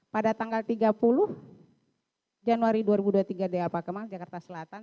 pada tanggal tiga puluh januari dua ribu dua puluh tiga dapa kemang jakarta selatan